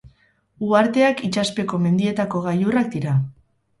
Uharteak itsaspeko mendietako gailurrak dira.